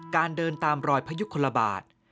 เดินตามรอยพยุคลบาท